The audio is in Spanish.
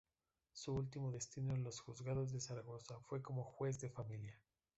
Su último destino en los juzgados de Zaragoza fue como Juez de Familia.